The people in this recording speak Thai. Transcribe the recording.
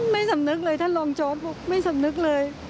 ไม่สำนึกเลยท่านรองจอสบอกไม่สำนึกเลย